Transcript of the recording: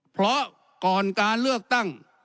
เพราะก่อนการเลือกตั้ง